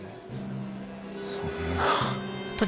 そんな。